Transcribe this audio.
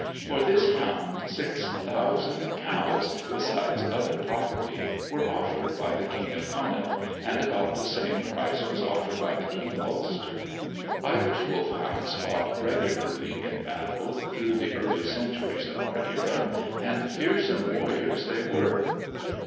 For this hound, six thousand cows, besides other property, were offered by the King of Connaught, and about the same price was offered by the King of Ulster. Irish Wolfhounds fought regularly in battle, through the early centuries of our era; and fearsome warriors they were.